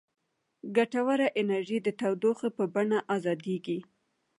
ګټوره انرژي د تودوخې په بڼه ازادیږي.